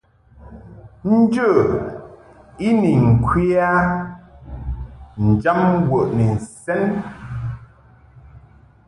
Njə i ni ŋkwe a njam wəʼni nsɛn.